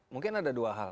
mungkin ada dua hal